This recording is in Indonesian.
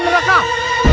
kiamat semakin dekat